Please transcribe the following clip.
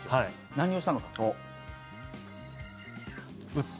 何をしたのか。